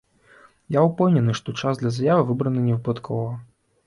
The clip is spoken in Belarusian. Я ўпэўнены, што час для заявы выбраны невыпадкова.